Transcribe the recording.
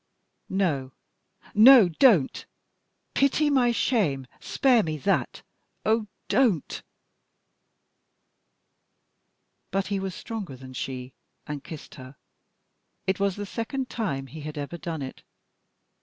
No! no! don't! Pity my shame. Spare me that! Oh, don't!" But he was stronger than she, and kissed her. It was the second time he had ever done it.